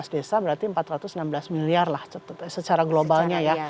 lima belas desa berarti empat ratus enam belas miliar lah secara globalnya ya